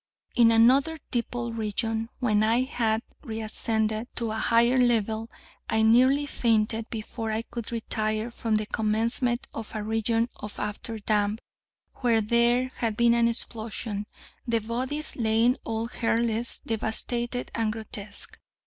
In another dipple region, when I had re ascended to a higher level, I nearly fainted before I could retire from the commencement of a region of after damp, where there had been an explosion, the bodies lying all hairless, devastated, and grotesque.